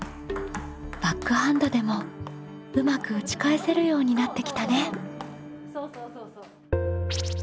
バックハンドでもうまく打ち返せるようになってきたね。